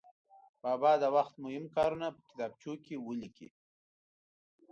بابا د وخت مهم کارونه په کتابچو کې ولیکي.